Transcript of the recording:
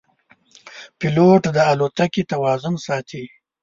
پیلوټ د الوتکې توازن ساتي.